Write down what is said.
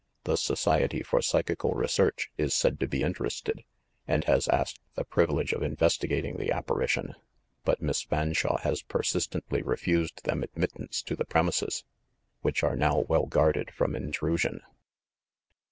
The Society for Psychical Research is said to be interested, and has asked the privilege of investigating the apparition; but Miss Fan shawe has persistently refused them admittance to the premises, which are now well guarded from intrusion.